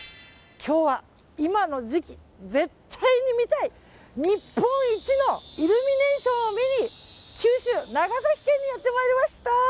今日は、今の時期絶対に見たい日本一のイルミネーションを見に九州、長崎県にやってまいりました。